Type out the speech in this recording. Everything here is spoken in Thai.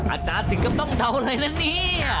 อาจารย์ถึงก็ต้องเดาอะไรนะนี่